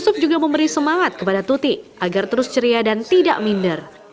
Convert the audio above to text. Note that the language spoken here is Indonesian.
yusuf juga memberi semangat kepada tuti agar terus ceria dan tidak minder